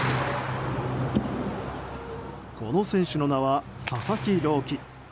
この選手の名は佐々木朗希。